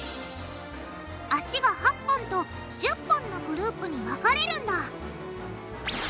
脚が８本と１０本のグループに分かれるんだ